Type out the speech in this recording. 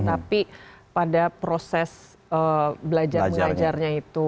tapi pada proses belajar mengajarnya itu